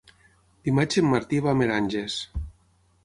Dimarts en Martí va a Meranges.